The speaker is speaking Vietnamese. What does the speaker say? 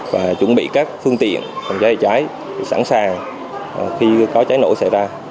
và chuẩn bị các phương tiện phòng cháy cháy sẵn sàng khi có cháy nổ xảy ra